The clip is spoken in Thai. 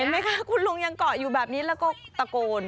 ไหมคะคุณลุงยังเกาะอยู่แบบนี้แล้วก็ตะโกน